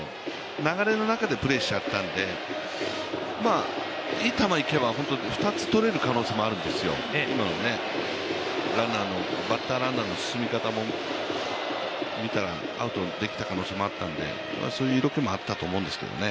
流れの中でプレーしちゃったんでいい球いけば、２つ取れる可能性もあるんですよ、今のバッターランナーの進み方も見たらアウトできた可能性もあったんで、そういうのもあったと思うんですけどね。